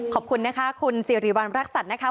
ขอบคุณค่ะคุณสีรีวัลรักษณ์นะคะ